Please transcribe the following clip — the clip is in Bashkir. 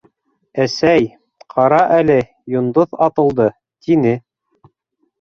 — Әсәй, ҡара әле, йондоҙ атылды, — тине.